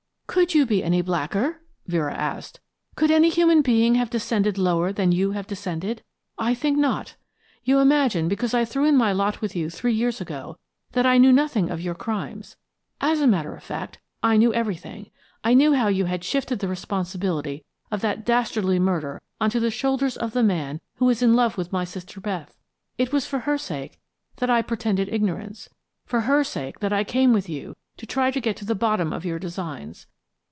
"Could you be any blacker?" Vera asked. "Could any human being have descended lower than you have descended? I think not. You imagine because I threw in my lot with you three years ago that I knew nothing of your crimes. As a matter of fact, I knew everything. I knew how you had shifted the responsibility of that dastardly murder on to the shoulders of the man who is in love with my sister Beth. It was for her sake that I pretended ignorance, for her sake that I came with you to try to get to the bottom of your designs.